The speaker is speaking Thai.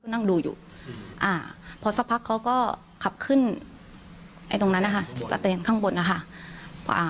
นั่งดูอยู่อ่าพอสักพักเขาก็ขับขึ้นไอ้ตรงนั้นนะคะสแตนข้างบนนะคะอ่า